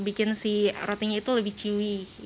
bikin si rotinya itu lebih chiwi